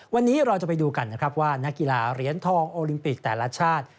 วันนี้เราจะไปดูกันนะครับว่านักกีฬาเหรียญทองโอลิมปิกแต่ละชาติ